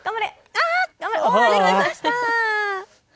できました。